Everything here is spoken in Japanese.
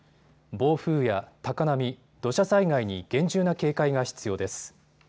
暴風や高波、土砂災害に厳重な警戒が必要です。